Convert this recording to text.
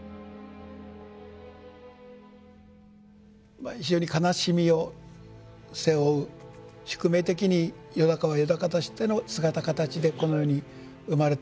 まあ非常に悲しみを背負う宿命的によだかはよだかとしての姿形でこの世に生まれてきた。